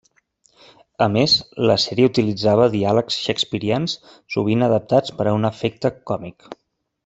A més, la sèrie utilitzava diàlegs shakespearians, sovint adaptats per a un efecte còmic.